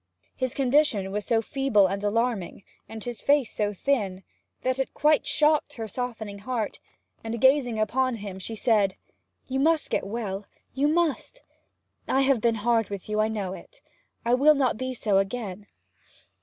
His condition was so feeble and alarming, and his face so thin, that it quite shocked her softening heart, and gazing upon him she said, 'You must get well you must! I have been hard with you I know it. I will not be so again.'